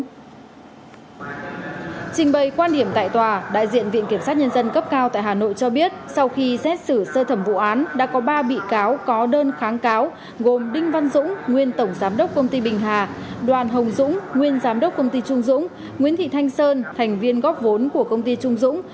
trình bày quan điểm tại tòa đại diện viện kiểm sát nhân dân cấp cao tại hà nội cho biết sau khi xét xử sơ thẩm vụ án đã có ba bị cáo có đơn kháng cáo gồm đinh văn dũng nguyên tổng giám đốc công ty bình hà đoàn hồng dũng nguyên giám đốc công ty trung dũng nguyễn thị thanh sơn thành viên góp vốn của công ty trung dũng